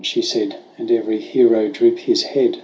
" she said. "And every hero droop his head?